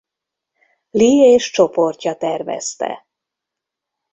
Lee és csoportja tervezte.